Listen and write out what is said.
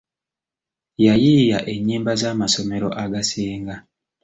Yayiiya ennyimba z'amasomero agasinga.